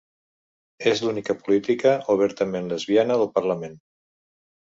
És l'única política obertament lesbiana del Parlament.